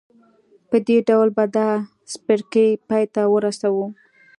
په دې ډول به دا څپرکی پای ته ورسوو.